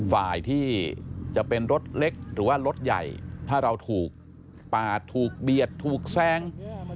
ฝ่ายที่จะเป็นรถเล็กหรือว่ารถใหญ่ถ้าเราถูกปาดถูกเบียดถูกแซง